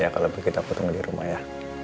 ya udah kalau begitu aku tunggu dirumah ya